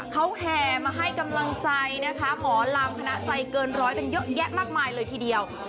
เขาแห่มาให้กำลังใจนะคะหมอลำคณะใจเกินร้อยกันเยอะแยะมากมายเลยทีเดียว